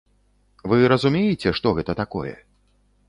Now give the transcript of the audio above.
Вы разумееце, што гэта такое?